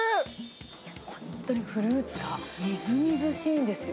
本当にフルーツがみずみずしいんですよ。